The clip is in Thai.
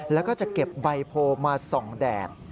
แล้วก็จะเก็บใบโพลมาส่องแดด